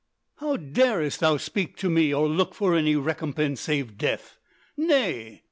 How darest thou speak to me or look for any recompense save death! Nay!"